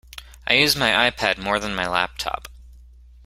I use my iPad more than my laptop